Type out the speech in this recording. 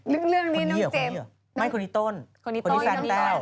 เรื่องนี้น้องเจมส์ไม่คนนี้ต้นคนนี้แฟนแต้ว